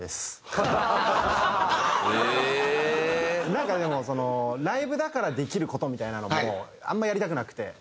なんかでもライブだからできる事みたいなのもあんまやりたくなくて。